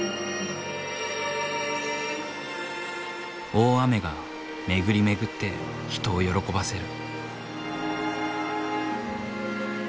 大雨が巡り巡って人を喜ばせる。